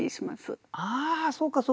ああそうかそうか。